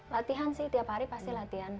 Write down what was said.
latihan sih tiap hari pasti latihan